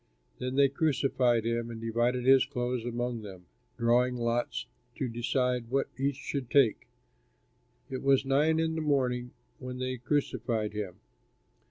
Then they crucified him and divided his clothes among them, drawing lots to decide what each should take. It was nine in the morning when they crucified him.